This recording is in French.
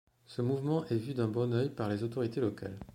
Ce mouvement est vu d'un bon œil par les autorités locales.